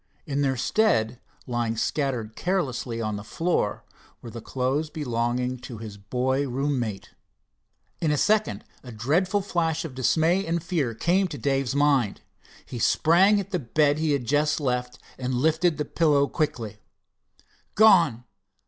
In their stead, lying scattered carelessly on the floor, were the clothes belonging to his boy room mate. In a second a dreadful flash of dismay and fear came to Dave's mind. He sprang at the bed he had just left and lifted the pillow quickly. "Gone!